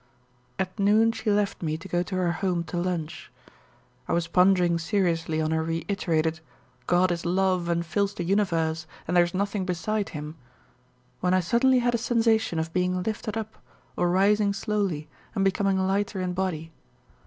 At noon she left me to go to her home to lunch. I was pondering seriously on her reiterated 'God is love and fills the universe and there is nothing beside Him,' when I suddenly had a sensation of being lifted up or rising slowly and becoming lighter in body.